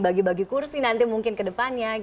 bagi bagi kursi nanti mungkin ke depannya